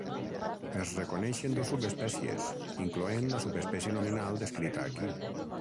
Es reconeixen dos subespècies, incloent la subespècie nominal descrita aquí.